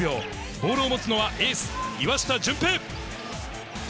ボールを持つのはエース、岩下准平。